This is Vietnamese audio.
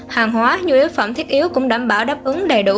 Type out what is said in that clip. hàng hóa nhu yếu phẩm thiết yếu cũng đảm bảo đáp ứng đầy đủ